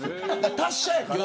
達者やから。